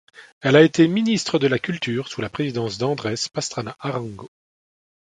Elle a été ministre de la Culture sous la présidence d'Andrés Pastrana Arango.